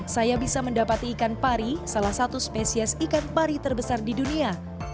saya bisa mendapati ikan pari salah satu spesies ikan pari terbesar di dunia